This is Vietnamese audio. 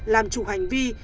làm chủ hành vi